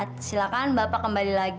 tidak ada pengalaman